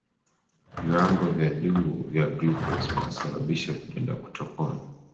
viwango vya juu vya glucose vinasababisha vidonda kutopona